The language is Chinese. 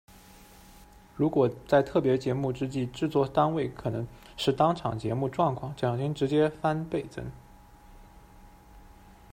如果在特别节日之际，制作单位可能视当场节目状况，奖金直接翻倍赠。